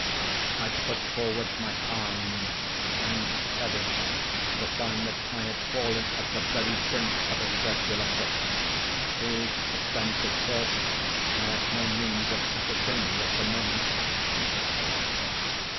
I put forward my arm, and shuddered to find that I had fallen at the very brink of a circular pit, whose extent, of course, I had no means of ascertaining at the moment.